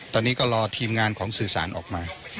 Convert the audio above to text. ตอนนี้ก็รอทีมงานของสื่อสารออกมา